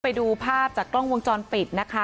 ไปดูภาพจากกล้องวงจรปิดนะคะ